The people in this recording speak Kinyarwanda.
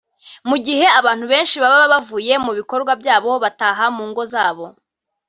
Mu gihe abantu benshi baba bavuye mu bikorwa byabo bataha mu ngo zabo